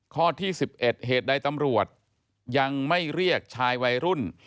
ข้อที่๑๑เหตุใดตำรวจยังไม่เรียกชายวัยรุ่น